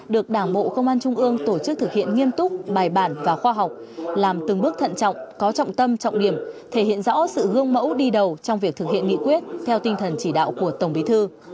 được đảng bộ công an trung ương tổ chức thực hiện nghiêm túc bài bản và khoa học làm từng bước thận trọng có trọng tâm trọng điểm thể hiện rõ sự gương mẫu đi đầu trong việc thực hiện nghị quyết theo tinh thần chỉ đạo của tổng bí thư